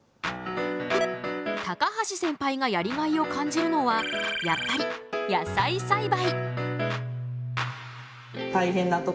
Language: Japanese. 高橋センパイがやりがいを感じるのはやっぱり「野菜栽培」！